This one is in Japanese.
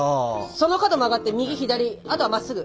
その角曲がって右左あとはまっすぐ。